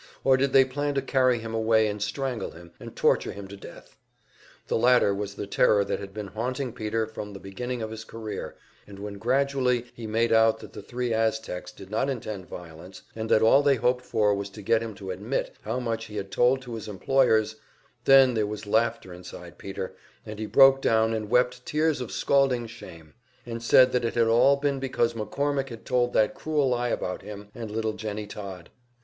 Or did they plan to carry him away and strangle him and torture him to death? The latter was the terror that had been haunting Peter from the beginning of his career, and when gradually be made out that the three Aztecs did not intend violence, and that all they hoped for was to get him to admit how much he had told to his employers then there was laughter inside Peter, and he broke down and wept tears of scalding shame, and said that it had all been because McCormick had told that cruel lie about him and little Jennie Todd.